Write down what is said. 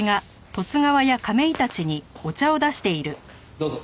どうぞ。